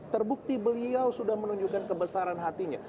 terbukti beliau sudah menunjukkan kebesaran hatinya